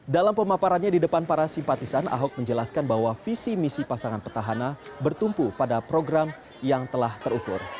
dalam pemaparannya di depan para simpatisan ahok menjelaskan bahwa visi misi pasangan petahana bertumpu pada program yang telah terukur